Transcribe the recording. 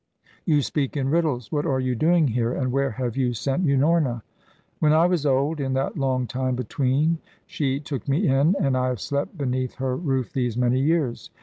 "You speak in riddles. What are you doing here, and where have you sent Unorna?" "When I was old, in that long time between, she took me in, and I have slept beneath her roof these many years.